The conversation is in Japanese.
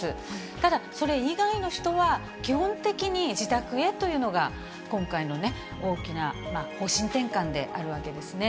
ただ、それ以外の人は、基本的に自宅へというのが、今回のね、大きな方針転換であるわけですね。